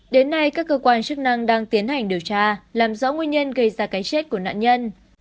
đến nay các cơ quan chức năng đang tiến hành điều tra làm rõ nguyên nhân gây ra cái chết của nạn nhân